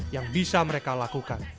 yang bisa mereka lakukan